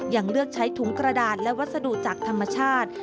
ยังเลือกใช้ถุงกระดาษและวัสดุจากธรรมชาติ